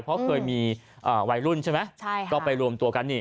เพราะเคยมีวัยรุ่นใช่ไหมก็ไปรวมตัวกันนี่